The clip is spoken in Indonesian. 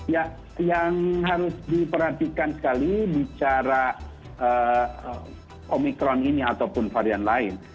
ya yang harus diperhatikan sekali bicara omikron ini ataupun varian lain